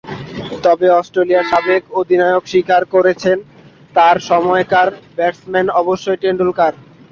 তবে অস্ট্রেলিয়ার সাবেক অধিনায়ক স্বীকার করেছেন, তাঁর সময়কার ব্র্যাডম্যান অবশ্যই টেন্ডুলকার।